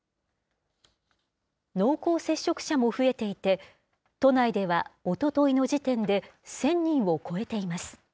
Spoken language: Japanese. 濃厚接触者も増えていて、都内ではおとといの時点で、１０００人を超えています。